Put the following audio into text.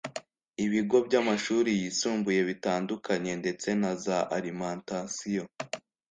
ibigo by’amashuri yisumbuye bitandukanye ndetse na za alimentation